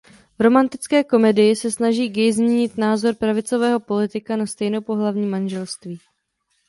V romantické komedii se snaží gay změnit názor pravicového politika na stejnopohlavní manželství.